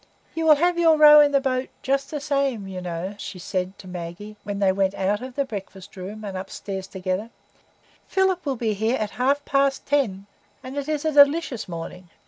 "You will have your row in the boat just the same, you know," she said to Maggie when they went out of the breakfast room and upstairs together; "Philip will be here at half past ten, and it is a delicious morning.